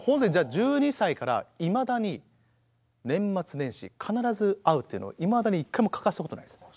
１２歳からいまだに年末年始必ず会うっていうのをいまだに一回も欠かしたことないです。